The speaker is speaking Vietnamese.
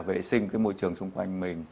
vệ sinh cái môi trường xung quanh mình